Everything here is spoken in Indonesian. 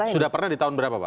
sudah pernah di tahun berapa pak